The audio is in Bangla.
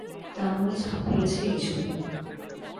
তার মনে ছাপ ফেলেছে এই ছবি।